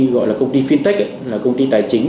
gọi là công ty fintech công ty tài chính